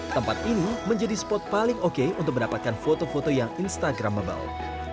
tempat ini menjadi spot paling oke untuk mendapatkan foto foto yang instagramable